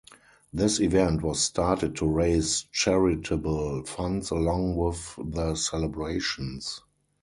This event was started to raise charitable funds along with the celebrations.